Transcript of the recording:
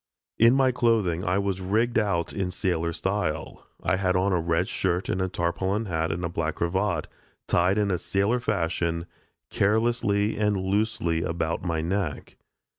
In my clothing I was rigged out in sailor style. I had on a red shirt and a tarpaulin hat and black cravat, tied in sailor fashion, carelessly and loosely about my neck.